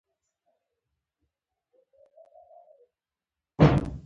پښتو د شعر او ادب یوه غټه سرچینه ده.